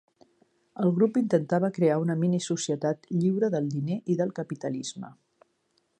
El grup intentava crear una mini-societat lliure del diner i del capitalisme.